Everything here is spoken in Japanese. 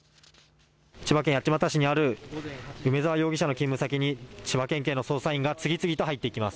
千葉県八街市にある梅澤容疑者の勤務先に千葉県警の捜査員が次々と入っていきます。